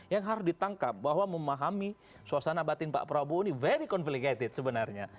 yang harus ditangkap bahwa memahami suasana batin pak prabowo ini very complicated sebenarnya